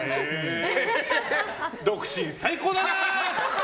独身最高だな！